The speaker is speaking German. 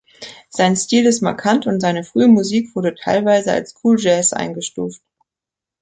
Sein Stil ist markant, und seine frühe Musik wurde teilweise als Cool Jazz eingestuft.